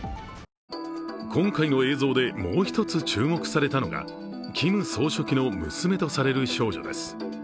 今回の映像でもう一つ注目されたのが、キム総書記の娘とされる少女です。